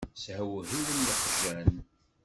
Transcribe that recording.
Shewhiwen yeqjan.